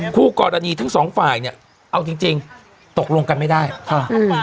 คู่กรณีทั้งสองฝ่ายเนี่ยเอาจริงจริงตกลงกันไม่ได้อืม